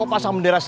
sampai jumpa lagi